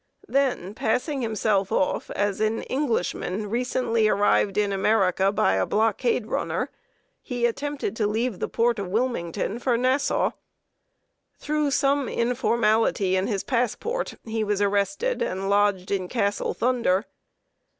Then passing himself off as an Englishman recently arrived in America by a blockade runner, he attempted to leave the port of Wilmington for Nassau. Through some informality in his passport, he was arrested and lodged in Castle Thunder.